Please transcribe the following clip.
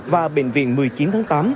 và bệnh viện một mươi chín tháng tám